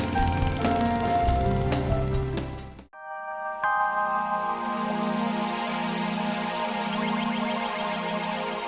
terima kasih banyak ya